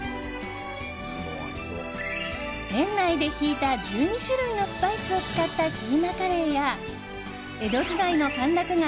店内でひいた１２種類のスパイスを使ったキーマカレーや江戸時代の歓楽街